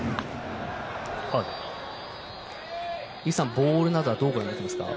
ボールなどはどうご覧になっていますか。